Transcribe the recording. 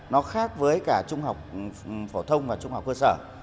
nó khác với cả trung học phổ thông và trung học cơ sở